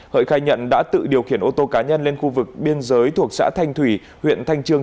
hợi khai nhận đã tự điều khiển ô tô cá nhân lên khu vực biên giới thuộc xã thanh thủy huyện thanh trương